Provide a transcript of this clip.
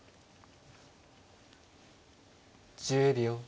１０秒。